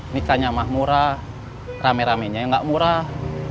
nikahnya mah murah rame ramenya yang nggak murah